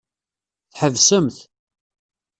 Tḥebsemt.